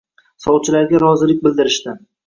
Sovchilarga rozilik bildirishdi